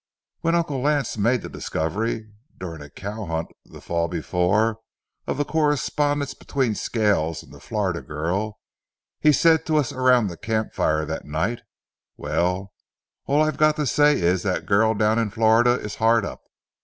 When Uncle Lance made the discovery, during a cow hunt the fall before, of the correspondence between Scales and the Florida girl, he said to us around the camp fire that night: "Well, all I've got to say is that that girl down in Florida is hard up.